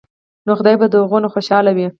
نو خدائے به د هغو نه خوشاله وي ـ